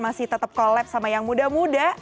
masih tetap collab sama yang muda muda